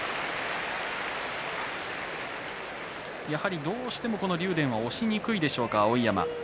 やはりどうしても竜電は押しにくいでしょうか碧山。